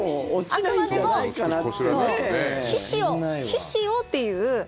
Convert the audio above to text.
あくまでも皮脂をっていう。